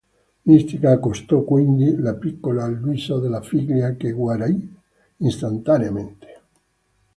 Mystica accostò, quindi, la piccola al viso della figlia, che guarì istantaneamente.